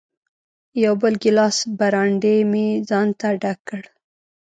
یو بل ګیلاس برانډي مې ځانته ډک کړ.